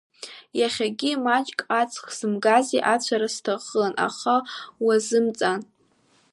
Иахагьы маҷк аҵх сымгази, ацәара сҭахын, аха уазымҵаан.